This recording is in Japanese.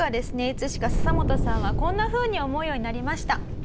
いつしかササモトさんはこんなふうに思うようになりました。